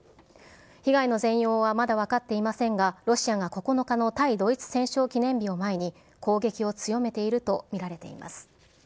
被害の全容はまだ分かっていませんが、ロシアが９日の対ドイツ戦勝記念日を前に、攻撃を強めていると見られています。